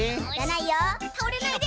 たおれないで！